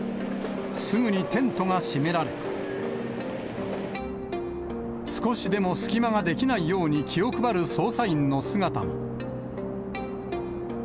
すぐにテントが閉められ、少しでも隙間が出来ないように気を配る捜査員の姿が。